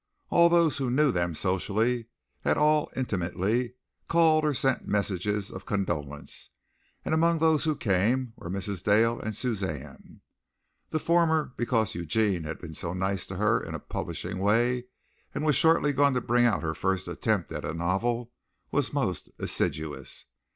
All those who knew them socially at all intimately called or sent messages of condolence, and among those who came were Mrs. Dale and Suzanne. The former because Eugene had been so nice to her in a publishing way and was shortly going to bring out her first attempt at a novel was most assiduous.